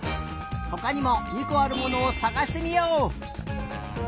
ほかにも２こあるものをさがしてみよう！